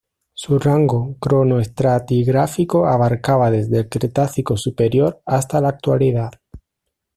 Su rango cronoestratigráfico abarcaba desde el Cretácico superior hasta la Actualidad.